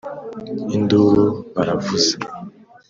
Induru baravuza